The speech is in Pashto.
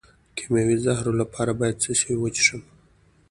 د کیمیاوي زهرو لپاره باید څه شی وڅښم؟